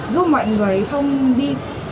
giúp mọi người không đi